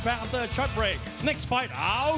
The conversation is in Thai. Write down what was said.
ว่าเราทำงานโน่น